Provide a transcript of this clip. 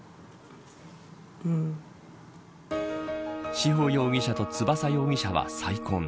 志保容疑者と翼容疑者は再婚。